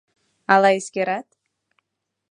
Ала эскерат?